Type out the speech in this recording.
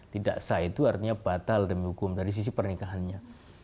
tidak sah itu artinya batal demi hukum dari sisi pernikahannya